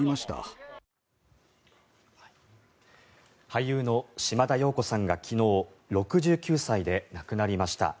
俳優の島田陽子さんが昨日、６９歳で亡くなりました。